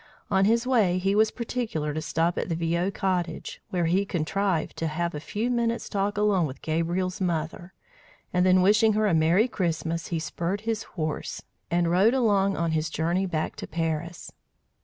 On his way, he was particular to stop at the Viaud cottage, where he contrived to have a few minutes' talk alone with Gabriel's mother, and then wishing her a merry Christmas, he spurred his horse, and rode along on his journey back to Paris.